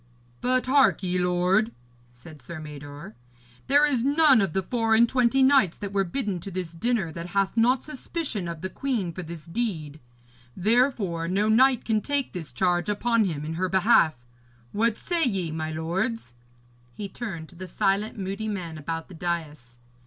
'But hark ye, lord,' said Sir Mador, 'there is none of the four and twenty knights that were bidden to this dinner that hath not suspicion of the queen for this deed. Therefore, no knight can take this charge upon him in her behalf. What say ye, my lords?' He turned to the silent, moody men about the dais.